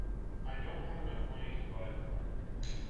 I don’t have enough money to buy a car.